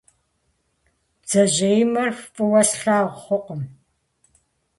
Бдзэжьеимэр фӏыуэ слъагъу хъукъым.